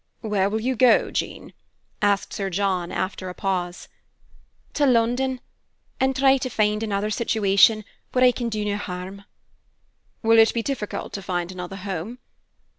"Where will you go, Jean?" asked Sir John, after a pause. "To London, and try to find another situation where I can do no harm." "Will it be difficult to find another home?"